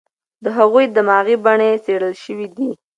د هغوی دماغي بڼې څېړل شوې دي.